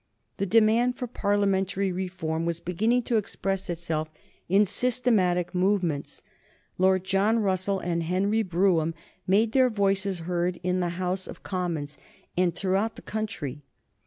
The demand for Parliamentary reform was beginning to express itself in systematic movements. Lord John Russell and Henry Brougham made their voices heard in the House of Commons and throughout the country.